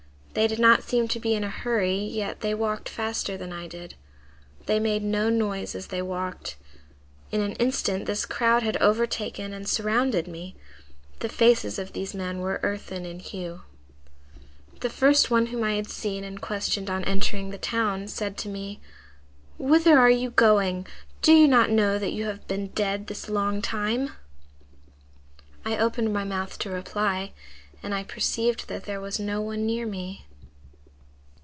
They did not seem to be in a hurry, yet they walked faster than I did. They made no noise as they walked. In an instant this crowd had overtaken and surrounded me. The faces of these men were earthen in hue. "Then the first one whom I had seen and questioned on entering the town said to me:— "'Whither are you going! Do you not know that you have been dead this long time?' "I opened my mouth to reply, and I perceived that there was no one near me."